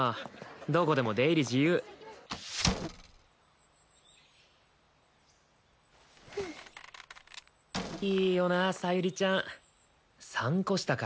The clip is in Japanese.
どこでも出入り自由ふういいよな早百合ちゃん３こ下か